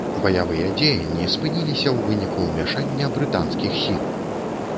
Баявыя дзеянні спыніліся ў выніку ўмяшання брытанскіх сіл.